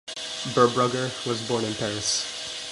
Berbrugger was born in Paris.